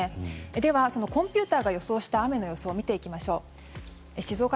では、コンピューターが予想した雨の予想を見ていきましょう。